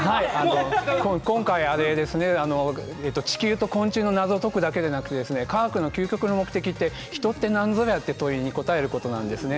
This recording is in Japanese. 今回、地球と昆虫の謎を解くだけではなくて科学の究極の目的って人ってなんぞやってことに答えることなんですね。